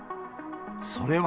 それは。